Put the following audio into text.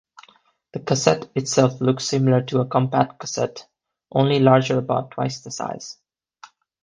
The cassette itself looks similar to a compact cassette, only larger-about twice the size.